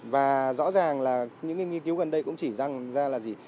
và rõ ràng là những nghiên cứu gần đây cũng chỉ rằng ra là gì